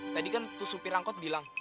tadi kan supir angkot bilang